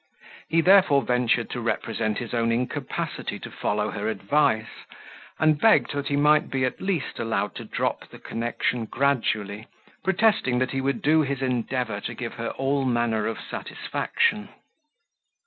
He therefore ventured to represent his own incapacity to follow her advice, and begged that he might, at least, be allowed to drop the connection gradually, protesting that he would do his endeavour to give her all manner of satisfaction.